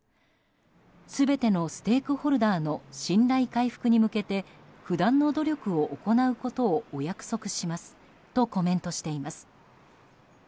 全てのステークホルダーの信頼回復に向けて不断の努力を行うことをお約束しますとコメントしています。